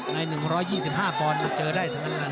ใน๑๒๕บอลเซอร์จะได้